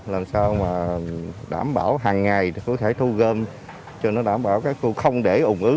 làm sao mà đảm bảo hàng ngày thì có thể thu gom cho nó đảm bảo các cô không để ủng ứ